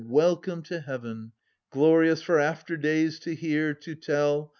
— welcome to Heaven, 580 Glorious for after days to hear, to tell.